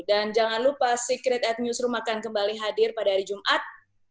dan jangan lupa secret at newsroom akan kembali hadir pada hari jumat